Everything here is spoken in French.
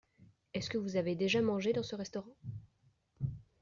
Est-ce que vous avez déjà mangé dans ce restaurant ?